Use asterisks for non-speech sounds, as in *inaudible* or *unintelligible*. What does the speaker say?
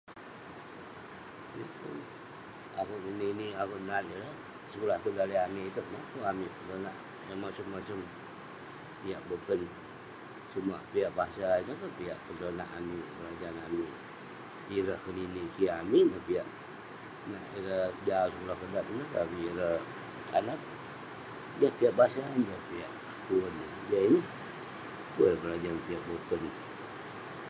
Ye pun...akeuk ngeninik, akeuk nat ireh. Sekulah tong daleh amik iteuk mah pun amik petonak, eh masem-masem piak boken. Sumak piak basa ineh kek piak petonak amik, berajan amik. Ireh ngeninik jin amik neh piak. Nak ireh jau sekulah *unintelligible* pavik ireh anaq. Jah piak basa ineh piak tuen, jah ineh. Ye pun eh berajan piak boken.